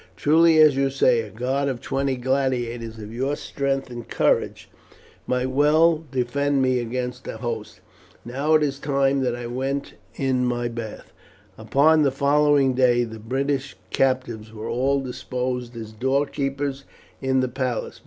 Truly, as you say, a guard of twenty gladiators of your strength and courage might well defend me against a host. Now it is time that I went to my bath." Upon the following day the British captives were all disposed as door keepers in the palace.